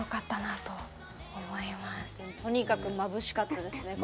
とにかくまぶしかったですね。